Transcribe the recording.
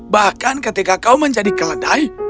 bahkan ketika kau menjadi keledai